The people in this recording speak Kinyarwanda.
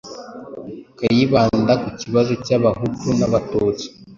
Kayibanda ku kibazo cy’abahutu n’abatutsi,